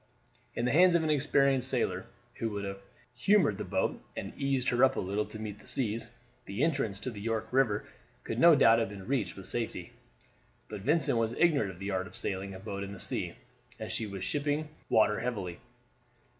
In the hands of an experienced sailor, who would have humored the boat and eased her up a little to meet the seas, the entrance to the York River could no doubt have been reached with safety; but Vincent was ignorant of the art of sailing a boat in the sea, and she was shipping water heavily.